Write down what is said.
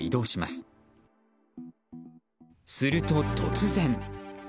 すると突然。